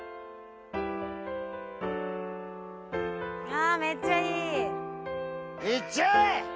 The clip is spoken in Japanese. ああめっちゃいいいっちゃえ！